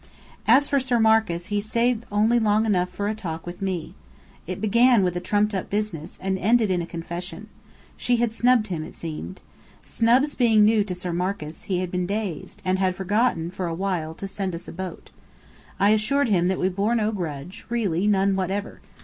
As for Sir Marcus, he stayed only long enough for a talk with me. It began with trumped up business, and ended in a confession. She had snubbed him, it seemed. Snubs being new to Sir Marcus, he had been dazed, and had forgotten for a while to send us a boat. I assured him that we bore no grudge, really none whatever.